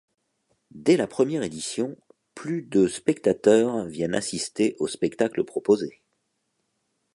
Dès la première édition, plus de spectateurs viennent assister aux spectacles proposés.